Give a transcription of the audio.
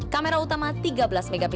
kamera utama tiga belas mp